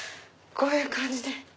こういう感じで。